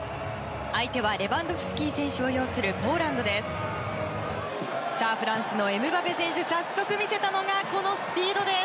相手はレバンドフスキ選手を擁するポーランドです。